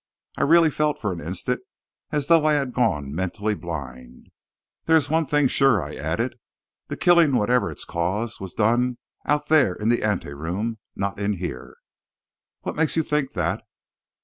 I really felt for an instant as though I had gone mentally blind. "There is one thing sure," I added. "The killing, whatever its cause, was done out there in the ante room, not in here." "What makes you think that?"